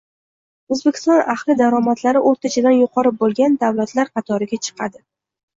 O‘zbekiston aholi daromadlari o‘rtachadan yuqori bo‘lgan davlatlar qatoriga chiqadi